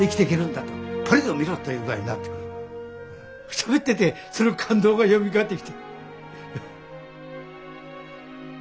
しゃべっててその感動がよみがえってきた。